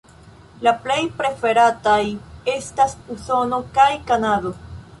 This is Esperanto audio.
La plej preferataj estas Usono kaj Kanado.